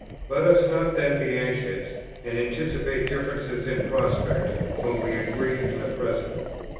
"Let us not then be anxious, and anticipate differences in prospect, when we agree in the present.